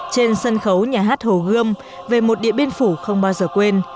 trên sân khấu nhà hát hồ gươm về một điện biên phủ không bao giờ quên